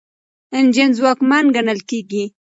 انجن ځواکمن ګڼل کیږي.